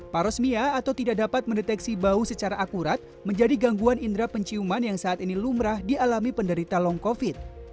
parosmia atau tidak dapat mendeteksi bau secara akurat menjadi gangguan indera penciuman yang saat ini lumrah dialami penderita long covid